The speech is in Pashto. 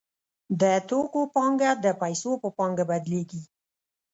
د توکو پانګه د پیسو په پانګه بدلېږي